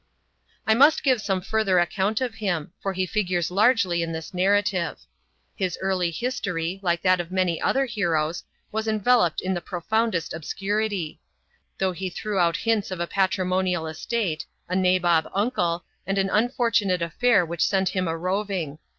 I must give some further account of him, for he figures largely in the narrative. His early history, like that of many other heroes, was enveloped in the profoundest obscurity ; though he threw out hints of a patrimonial estate, a nabob uncle, and an unfortunate aflair which sent him a roving.